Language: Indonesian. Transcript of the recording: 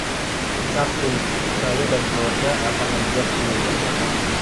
Sabtu, saya dan keluarga akan membuat kue bersama.